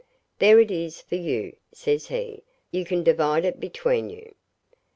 'There it is for you,' says he. 'You can divide it between you.